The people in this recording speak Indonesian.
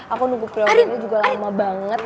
aku nunggu pilihan pilihannya juga lama banget